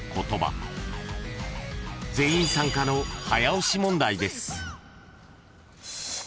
［全員参加の早押し問題です］